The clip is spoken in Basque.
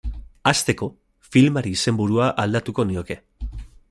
Hasteko, filmari izenburua aldatuko nioke.